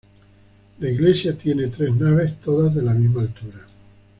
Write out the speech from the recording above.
La iglesia tiene tres naves, todas de la misma altura.